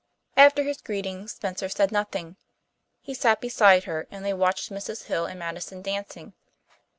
After his greeting Spencer said nothing. He sat beside her, and they watched Mrs. Hill and Madison dancing.